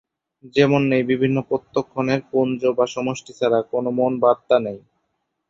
যেমন নেই ‘বিভিন্ন প্রত্যক্ষণের পুঞ্জ বা সমষ্টি ছাড়া’ কোনো মন বা আত্মা নেই।